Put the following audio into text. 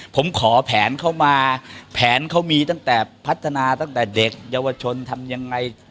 ผมขอแผนเข้ามาแผนเขามีตั้งแต่พัฒนาตั้งแต่เด็กเยาวชนทำยังไง